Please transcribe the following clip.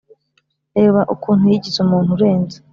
Reba ukuntu yigize umuntu urenze